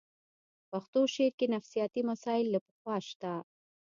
پښتو شعر کې نفسیاتي مسایل له پخوا شته